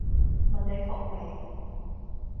問你服未